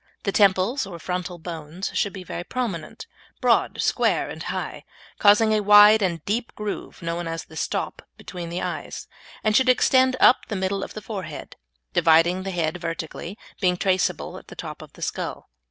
The temples, or frontal bones, should be very prominent, broad, square and high, causing a wide and deep groove known as the "stop" between the eyes, and should extend up the middle of the forehead, dividing the head vertically, being traceable at the top of the skull.